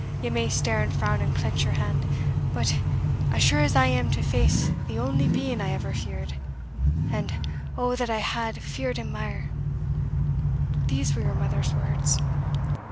ye may stare and frown and clench your hand; but, as sure as I am to face the only Being I ever feared and, oh that I had feared him mair! these were your mother's words.